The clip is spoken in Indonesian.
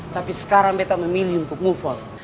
tapi sekarang beta memilih untuk move on